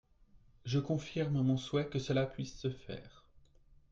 Je confirme mon souhait que cela puisse se faire.